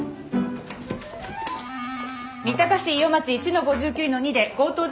三鷹市飯尾町１の５９の２で強盗事件発生。